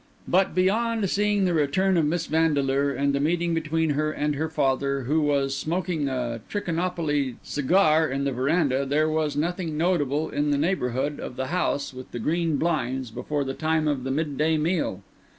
But beyond seeing the return of Miss Vandeleur, and the meeting between her and her father, who was smoking a Trichinopoli cigar in the verandah, there was nothing notable in the neighbourhood of the house with the green blinds before the time of the mid day meal.